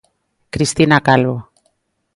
Cristina Calvo.